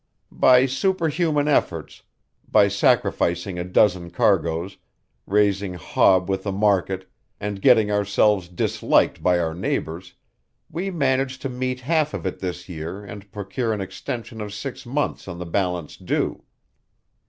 By super human efforts by sacrificing a dozen cargoes, raising hob with the market, and getting ourselves disliked by our neighbours we managed to meet half of it this year and procure an extension of six months on the balance due.